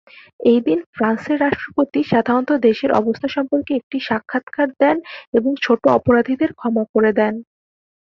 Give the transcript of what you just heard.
এই দিন ফ্রান্সের রাষ্ট্রপতি সাধারণত দেশের অবস্থা সম্পর্কে একটি সাক্ষাৎকার দেন এবং ছোট অপরাধীদের ক্ষমা করে দেন।